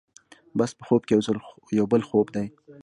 بس په خوب کې یو بل خوب دی.